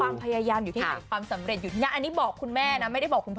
ความพยายามอยู่ที่ไหนความสำเร็จอยู่ที่นั่นอันนี้บอกคุณแม่นะไม่ได้บอกคุณพ่อ